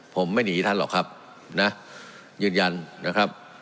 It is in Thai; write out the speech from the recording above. ผมไม่หนีท่านหรอกครับนะยืนยันนะครับ